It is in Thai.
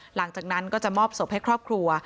หลังจากนั้นก็จะมอบศพให้ครอบครัว